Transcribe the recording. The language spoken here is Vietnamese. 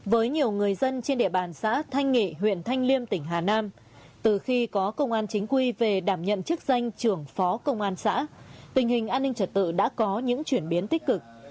với nhiều người dân trên địa bàn xã thanh nghị huyện thanh liêm tỉnh hà nam từ khi có công an chính quy về đảm nhận chức danh trưởng phó công an xã tình hình an ninh trật tự đã có những chuyển biến tích cực